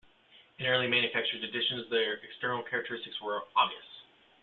In earlier manufactured editions the external characteristics were obvious.